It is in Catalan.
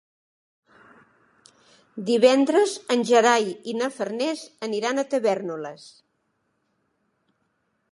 Divendres en Gerai i na Farners aniran a Tavèrnoles.